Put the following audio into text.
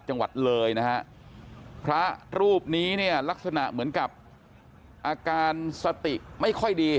จังหวัดเลยนะฮะพระรูปนี้เนี่ยลักษณะเหมือนกับอาการสติไม่ค่อยดี